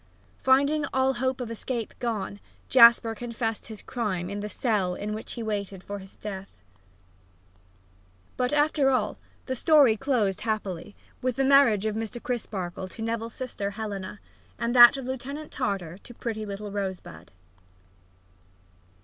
Finding all hope of escape gone, Jasper confessed his crime in the cell in which he waited for death. But, after all, the story closed happily, with the marriage of Mr. Crisparkle to Neville's sister Helena, and that of Lieutenant Tartar to pretty little Rosebud.